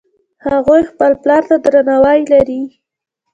هغوی خپل پلار ته درناوی لري